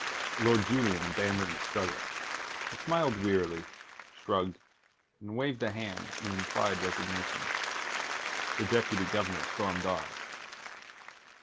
Lord Julian abandoned the struggle. He smiled wearily, shrugged, and waved a hand in implied resignation. The Deputy Governor stormed on.